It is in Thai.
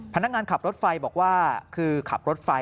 พนักงานขับรถไฟบอกว่าคือขับรถไฟ